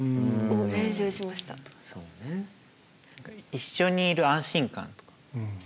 一緒にいる安心感とか。